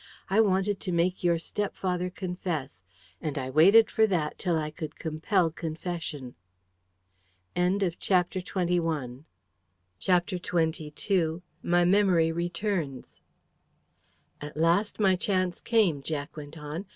I wanted to make your step father confess: and I waited for that till I could compel confession." CHAPTER XXII. MY MEMORY RETURNS "At last my chance came," Jack went on.